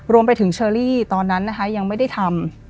รวมไปถึงเชอรี่ตอนนั้นนะคะยังไม่ได้ทำ